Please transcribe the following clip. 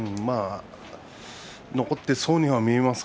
残ってそうには見えますが。